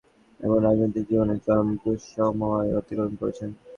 কিছুকাল ধরে তিনি ব্যক্তিগত জীবনে এবং রাজনৈতিক জীবনে চরম দুঃসময় অতিক্রম করছেন।